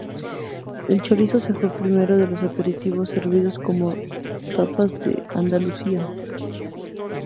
El chorizo fue el primero de los aperitivos servidos como tapas en Andalucía.